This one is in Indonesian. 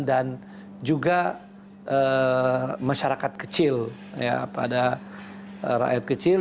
dan juga masyarakat kecil ya pada rakyat kecil